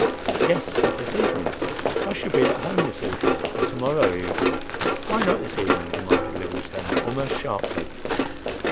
"Yes—, this evening. I shall be at home this evening and to morrow evening—Why not this evening?" demanded Livingstone almost sharply.